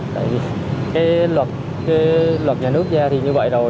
cái luật nhà nước ra thì như vậy đâu